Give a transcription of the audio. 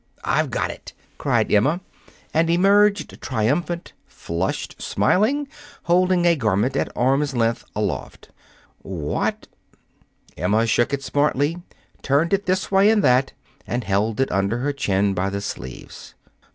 "I've got it!" cried Emma, and emerged triumphant, flushed, smiling, holding a garment at arm's length, aloft. "What " Emma shook it smartly, turned it this way and that, held it up under her chin by the sleeves.